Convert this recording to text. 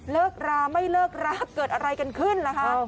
เลิกราไม่เลิกราเกิดอะไรกันขึ้นล่ะคะ